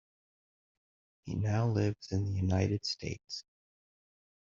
He now lives in the United States.